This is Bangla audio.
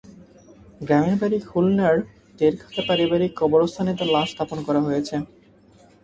গ্রামের বাড়ি খুলনার তেরখাদা পারিবারিক কবরস্থানে তাঁর লাশ দাফন করা হয়েছে।